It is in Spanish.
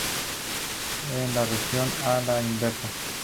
Su denominación oficial fue "Partido Colorado por la Tradición".